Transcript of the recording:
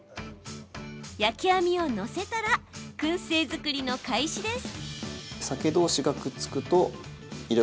焼き網を載せたらくん製作りの開始です。